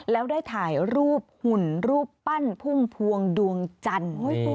แล้วได้ถ่ายรูปหุ่นรูปปั้นพุ่มพวงดวงจันทร์